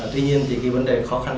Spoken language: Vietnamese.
tuy nhiên thì cái vấn đề khó khăn